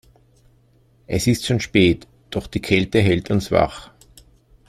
Es ist schon spät, doch die Kälte hält uns wach.